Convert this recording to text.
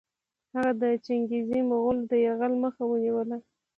هغه د چنګېزي مغولو د یرغل مخه ونیوله.